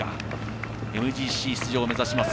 ＭＧＣ出場を目指します